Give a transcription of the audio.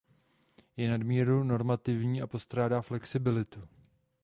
Je nadmíru normativní a postrádá flexibilitu.